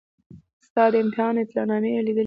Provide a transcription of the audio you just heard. ستا د امتحان اطلاع نامه یې لیدلې وای.